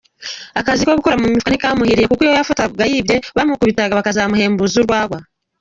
Akazi ko gukora mu mifuka ntikamuhiriye kuko iyo yafatwaga yibye bamukubitaga bakazamuhembuza urwagwa.